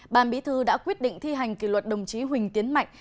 ban bí thư đã quyết định thi hành kỷ luật đồng chí huỳnh tiến mạnh